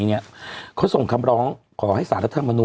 เดี๋ยวกลับมาเล่าให้ป่าน